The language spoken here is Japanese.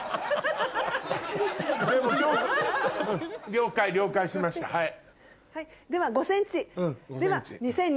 了解了解しましたはい。